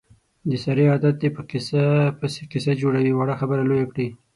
د سارې عادت دی، په قیصه پسې قیصه جوړوي. وړه خبره لویه کړي.